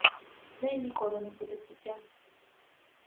З неї ніколи не буде пуття.